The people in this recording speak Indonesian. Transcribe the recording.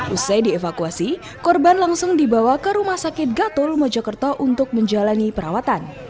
usai dievakuasi korban langsung dibawa ke rumah sakit gatol mojokerto untuk menjalani perawatan